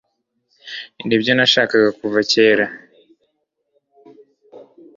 nibyo nashakaga kuva kera